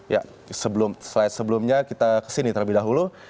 ya slide sebelumnya kita kesini terlebih dahulu